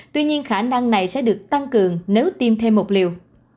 tuy nhiên khả năng này sẽ được tăng cường nếu tiêm thêm một liều